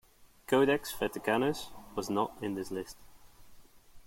Codex Vaticanus was not in this list.